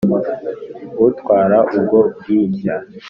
Utwara ubwo Bwishya